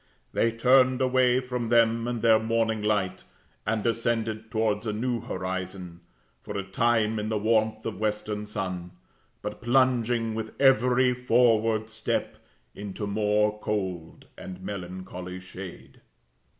They turned away from them and their morning light, and descended towards a new horizon, for a time in the warmth of western sun, but plunging with every forward step into more cold and melancholy shade.